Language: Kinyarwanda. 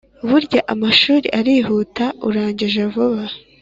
burya amashuri arihuta urangije vuba